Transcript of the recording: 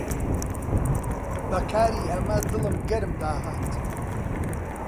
بە کاری ئەمە دڵم گەرم داهات.